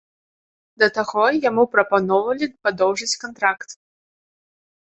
Да таго, яму прапаноўвалі падоўжыць кантракт.